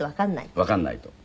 わかんないと。